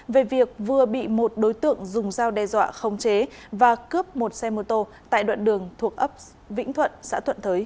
về việc vừa bị một đối tượng dùng dao đe dọa khống chế và cướp một xe mô tô tại đoạn đường thuộc ấp vĩnh thuận xã thuận thới